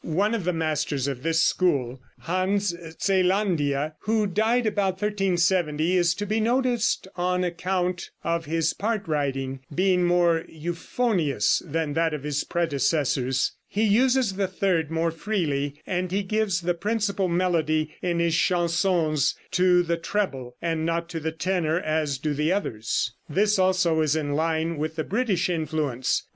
One of the masters of this school, Hans Zeelandia, who died about 1370, is to be noticed on account of his part writing being more euphonious than that of his predecessors. He uses the third more freely, and he gives the principal melody in his chansons to the treble, and not to the tenor, as do the others. This also is in line with the British influence.